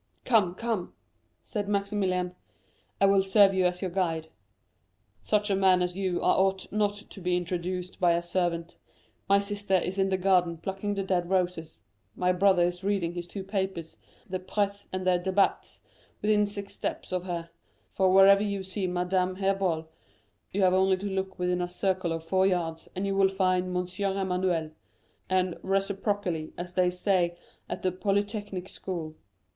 "Come, come," said Maximilian, "I will serve as your guide; such a man as you are ought not to be introduced by a servant. My sister is in the garden plucking the dead roses; my brother is reading his two papers, la Presse and les Débats, within six steps of her; for wherever you see Madame Herbault, you have only to look within a circle of four yards and you will find M. Emmanuel, and 'reciprocally,' as they say at the Polytechnic School."